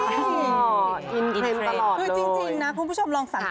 คือจริงนะผู้ชมลองสังเกตนะ